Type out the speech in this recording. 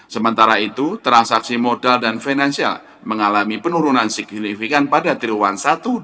sementara itu transaksi modal dan finansial mengalami penurunan signifikan pada triwulan satu dua ribu dua puluh